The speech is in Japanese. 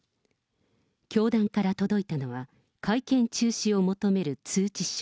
教団から届いたのは、会見中止を求める通知書。